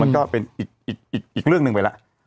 มันก็เป็นอีกเรื่องหนึ่งไปล่ะ